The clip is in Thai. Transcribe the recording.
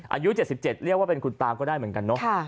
อายุ๗๗เรียกว่าเป็นคุณตาก็ได้เหมือนกันเนอะ